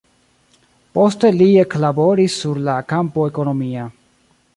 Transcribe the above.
Poste li eklaboris sur la kampo ekonomia.